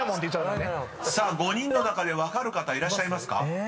［さあ５人の中で分かる方いらっしゃいますか？］